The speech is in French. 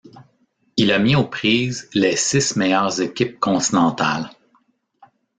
Il a mis aux prises les six meilleures équipes continentales.